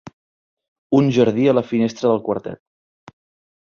Un jardí a la finestra del quartet